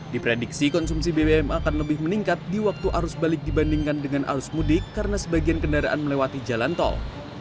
diprediksi konsumsi bbm akan lebih meningkat di waktu arus balik dibandingkan dengan arus mudik karena sebagian kendaraan melewati jalan tol